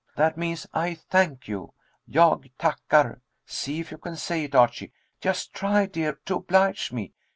That means 'I thank you,' Jag tackar. See if you can say it, Archie. Just try, dear, to oblige me.